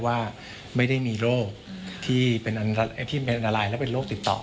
ว่าไม่ได้มีโรคที่เป็นอันตรายและเป็นโรคติดต่อ